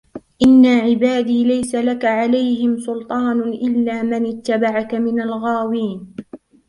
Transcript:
إن عبادي ليس لك عليهم سلطان إلا من اتبعك من الغاوين